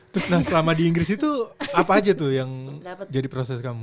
terus nah selama di inggris itu apa aja tuh yang jadi proses kamu